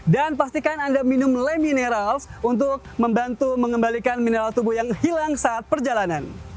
dan pastikan anda minum lemineral untuk membantu mengembalikan mineral tubuh yang hilang saat perjalanan